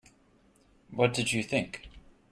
What did you think?